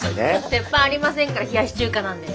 鉄板ありませんから冷やし中華なんでね。